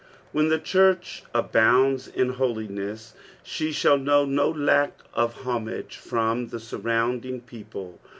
When the church abounds in holiness, she rIihU know no lock of humsgc from the Hurrounding people.